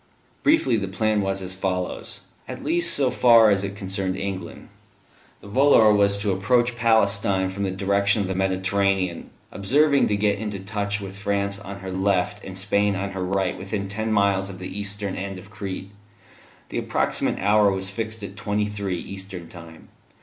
Briefly, the plan was as follows, at least so far as it concerned England. The volor was to approach Palestine from the direction of the Mediterranean, observing to get into touch with France on her left and Spain on her right within ten miles of the eastern end of Crete. The approximate hour was fixed at twenty three (eastern time).